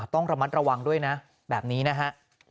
ต้องระมัดระวังด้วยนะแบบนี้นะฮะ